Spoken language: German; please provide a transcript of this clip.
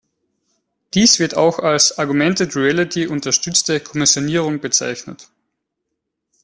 Dies wird auch als Augmented Reality unterstützte Kommissionierung bezeichnet.